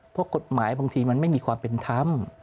เพราะกฎหมายบางทีมันไม่มีความเป็นธรรม